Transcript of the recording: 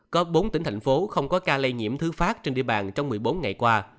có bốn tỉnh thành phố không có ca lây nhiễm thứ phát trên địa bàn trong một mươi bốn ngày qua